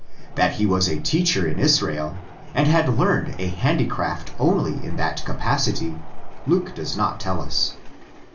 That he was a teacher in Israel, and had learned a handicraft only in that capacity, Luke does not tell us.